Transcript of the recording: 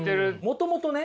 もともとね